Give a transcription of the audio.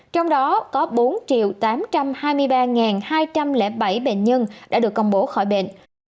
trong đó có bốn tám trăm hai mươi ba hai trăm linh bảy bệnh nhân đã được công bố khỏi bệnh